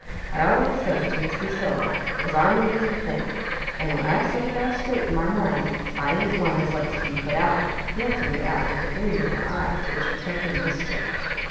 I always says to Miss Lucilla as 'armony's the thing; and when I've set it all straight in my mind, I ain't one as likes to be put out," Nancy ^ould add with a gleam of her eye which betokened mischief.